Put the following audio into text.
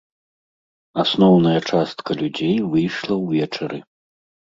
Асноўная частка людзей выйшла ўвечары.